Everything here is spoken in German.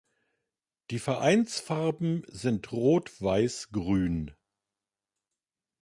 Die Vereinsfarben sind Rot-Weiß-Grün.